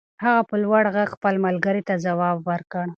هغه په لوړ غږ خپل ملګري ته ځواب ور کړ.